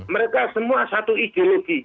mereka semua satu ideologi